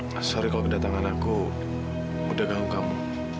maaf kalau kedatangan aku udah ganggu kamu